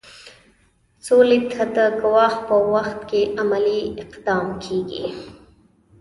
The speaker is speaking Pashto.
سولې ته د ګواښ په وخت کې عملي اقدام کیږي.